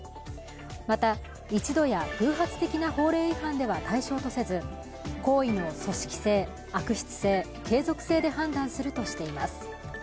また一度や偶発的な法令違反では対象とせず行為の組織性、悪質性、継続性で判断するとしています。